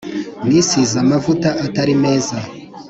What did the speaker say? Nisize amavuta Atari meza